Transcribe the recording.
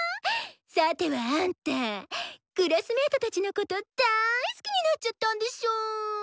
さてはアンタクラスメートたちのこと大好きになっちゃったんでしょ？